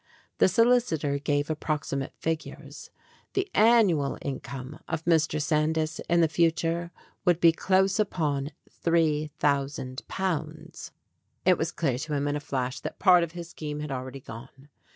The solicitor gave approximate fig ures. The annual income of Mr. Sandys in the future would be close upon three thousand pounds. It was clear to him in a flash that part of his scheme had already gone.